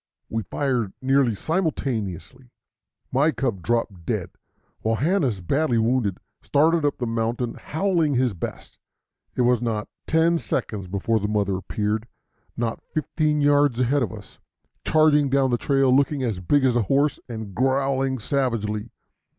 We fired nearly simultaneously. My cub dropped dead, while Hanna's, badly wounded, started up the mountain howling his best. It was not ten seconds before the mother appeared, not fifteen yards ahead of us, charging down the trail looking as big as a horse and growling savagely.